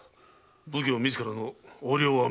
奉行自らの横領は明白。